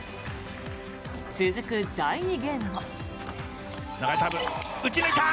続く第２ゲームも。